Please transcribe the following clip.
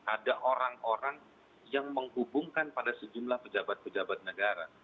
ada orang orang yang menghubungkan pada sejumlah pejabat pejabat negara